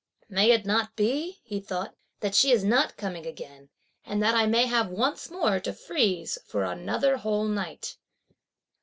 "May it not be," he thought, "that she is not coming again; and that I may have once more to freeze for another whole night?"